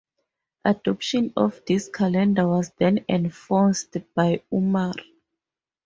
Adoption of this calendar was then enforced by Umar.